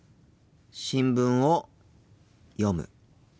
新聞を読む。